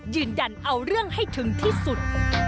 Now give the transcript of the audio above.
ยืนยันเอาเรื่องให้ถึงที่สุด